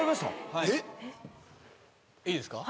いいですか？